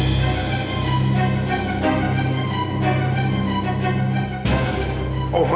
dengar cantik nya